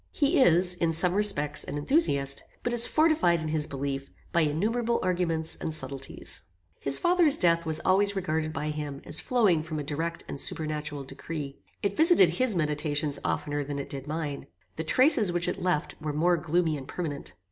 He is, in some respects, an enthusiast, but is fortified in his belief by innumerable arguments and subtilties. His father's death was always regarded by him as flowing from a direct and supernatural decree. It visited his meditations oftener than it did mine. The traces which it left were more gloomy and permanent.